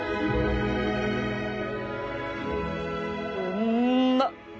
うんまっ